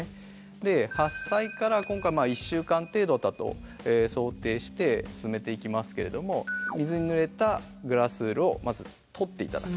で発災から今回一週間程度だと想定して進めていきますけれども水にぬれたグラスウールをまず取って頂く。